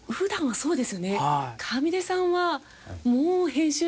そうですね。